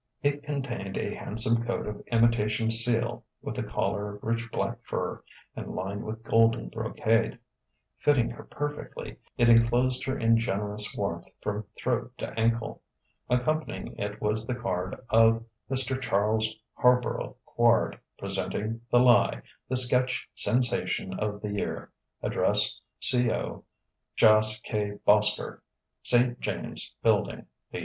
It contained a handsome coat of imitation seal with a collar of rich black fur and lined with golden brocade. Fitting her perfectly, it enclosed her in generous warmth from throat to ankle. Accompanying it was the card of "_Mr. Charles Harborough Quard, Presenting 'The Lie,' the Sketch Sensation of the Year, Address c/o Jas. K. Boskerk, St. James Building, N.Y.